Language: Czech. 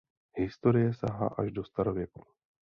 Historie sahá až do starověku.